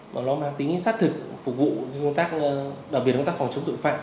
mà nó mang tính xác thực phục vụ trong công tác đặc biệt công tác phòng chống tội phạm